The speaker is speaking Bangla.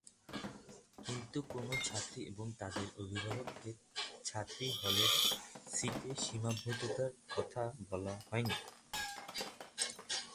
কিন্তু কোনো ছাত্রী এবং তাঁদের অভিভাবককে ছাত্রীহলের সিটের সীমাবদ্ধতার কথা বলা হয়নি।